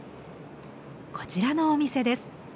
こちらのお店です。